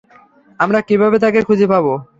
আমরা কীভাবে তাকে খুঁজে পাব?